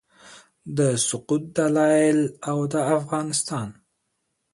د سقوط دلایل او د افغانستان